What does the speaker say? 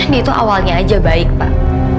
ini itu awalnya aja baik pak